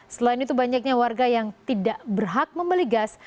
selain itu banyaknya warga yang tidak berhak membeli gas